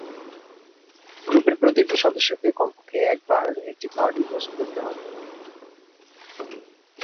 গ্রুপের প্রতিটি সদস্যকে কমপক্ষে একবার একটি পার্টি হোস্ট করতে হবে।